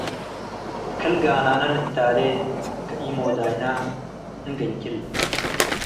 ክል ጋናነ ንታሌ ከኢሞዳይነ እንገንጅል